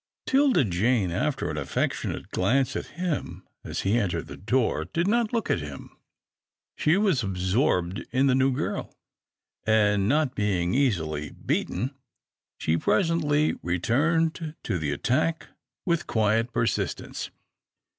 'Tilda Jane, after an affectionate glance at him as he entered the door, did not look at him. She was absorbed in the new girl, and, not being easily beaten, she presently returned to the attack with quiet persistence.